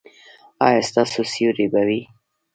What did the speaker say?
ایا ستاسو سیوری به وي؟